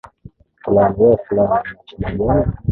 Fulani, we fulani una shida gani?